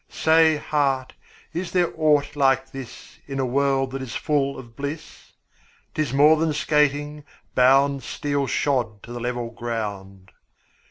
Say, heart, is there aught like this In a world that is full of bliss? 'Tis more than skating, bound 15 Steel shod to the level ground.